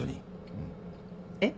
うん。えっ？